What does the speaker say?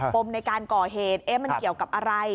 มในการก่อเหตุมันเกี่ยวกับอะไร